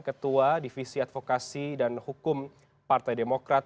ketua divisi advokasi dan hukum partai demokrat